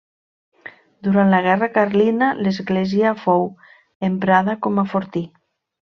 Durant la Guerra Carlina, l'església fou emprada com a fortí.